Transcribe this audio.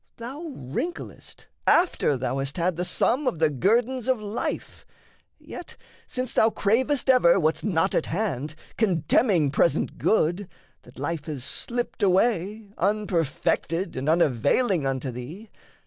Thou wrinklest after thou hast had the sum Of the guerdons of life; yet, since thou cravest ever What's not at hand, contemning present good, That life has slipped away, unperfected And unavailing unto thee.